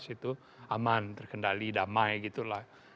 dua ribu dua belas itu aman terkendali damai gitu lah